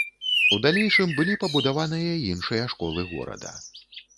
У далейшым былі пабудаваныя іншыя школы горада.